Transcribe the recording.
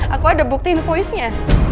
aku ada bukti invoice nya